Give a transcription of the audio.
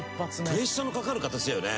プレッシャーのかかる形だよね。